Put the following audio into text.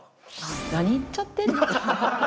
何言っちゃってるの？